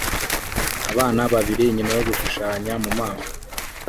Abana babiri nyuma yo gushushanya mu maso